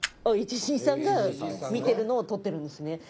ＨＧさんが見てるのを撮ってるんですね。